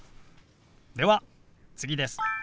では次です。